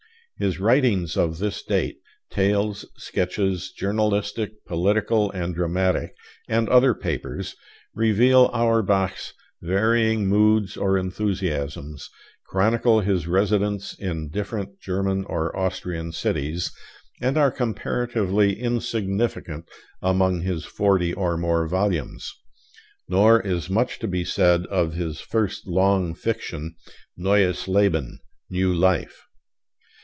His writings of this date tales, sketches journalistic, political, and dramatic, and other papers reveal Auerbach's varying moods or enthusiasms, chronicle his residence in different German or Austrian cities, and are comparatively insignificant among his forty or more volumes. Nor is much to be said of his first long fiction, 'Neues Leben' (New Life).